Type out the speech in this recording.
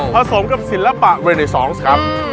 สมกับศิลปะเรเนซองส์ครับ